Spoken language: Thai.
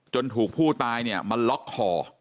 จนถูกผู้ตายมาล็อกคอ